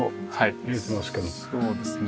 そうですね。